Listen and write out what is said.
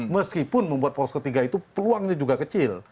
meskipun membuat poros ketiga itu peluangnya juga kecil